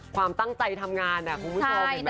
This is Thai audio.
ความตั้งใจทำงานคุณผู้ชมเห็นไหม